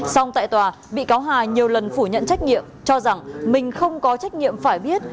xong tại tòa bị cáo hà nhiều lần phủ nhận trách nhiệm cho rằng mình không có trách nhiệm phải biết